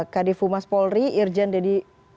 kadef umar polri irjan dedi